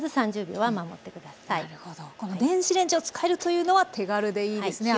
この電子レンジを使えるというのは手軽でいいですね。